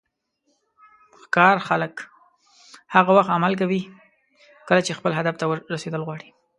ښکار خلک هغه وخت عمل کوي کله چې خپل هدف ته رسیدل غواړي.